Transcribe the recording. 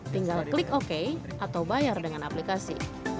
tinggal klik oke atau bayar dengan aplikasi